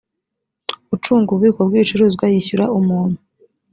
ucunga ububiko bw ibicuruzwa yishyura umuntu